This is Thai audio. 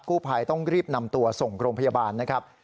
ผู้ภัยต้องรีบนำตัวส่งโรงพยาบาลนะครับ